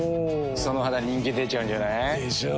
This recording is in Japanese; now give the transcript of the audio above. その肌人気出ちゃうんじゃない？でしょう。